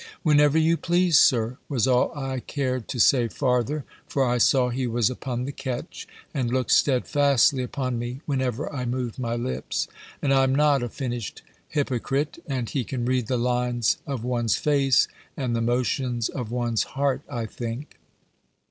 "Whenever you please, Sir," was all I cared to say farther; for I saw he was upon the catch, and looked steadfastly upon me whenever I moved my lips; and I am not a finished hypocrite, and he can read the lines of one's face, and the motions of one's heart, I think.